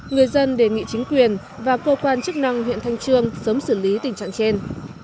người dân đề nghị chính quyền và cơ quan chức năng huyện thanh trương sớm xử lý tình trạng trên